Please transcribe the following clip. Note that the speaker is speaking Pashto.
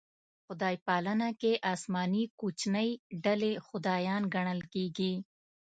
خدای پالنه کې اسماني کوچنۍ ډلې خدایان ګڼل کېږي.